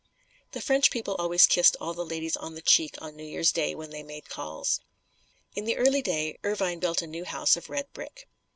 The French people always kissed all the ladies on the cheek on New Year's day, when they made calls. In the early day, Irvine built a new house of red brick.